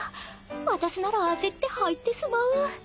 わだすなら焦って入ってすまう。